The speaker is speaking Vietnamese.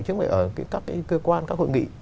chứ không phải ở các cơ quan các hội nghị